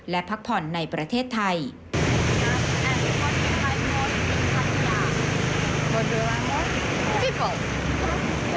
และพักผ่อนในประเทศไทย